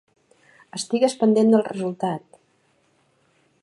Estigues pendent del resultat.